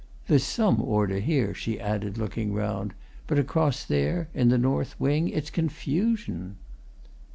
There's some order here," she added, looking round, "but across there, in the north wing, it's confusion."